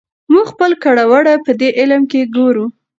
موږ خپل کړه وړه پدې علم کې ګورو.